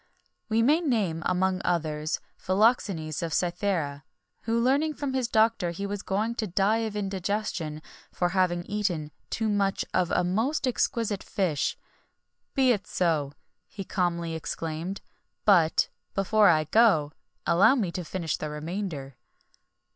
We may name, among others, Philoxenes of Cythera, who learning from his doctor that he was going to die of indigestion, for having eaten too much of a most exquisite fish: "Be it so," he calmly exclaimed; "but, before I go, allow me to finish the remainder."